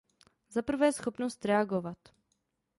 Zaprvé schopnost reagovat.